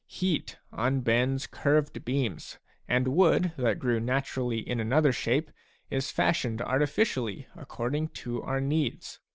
Heat unbends curved beams, and wood that grew naturally in another shape is fashioned artificially according to our needs.